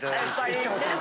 行ったことある。